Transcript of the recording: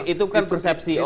itu kan persepsi